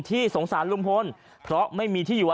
ท่านพรุ่งนี้ไม่แน่ครับ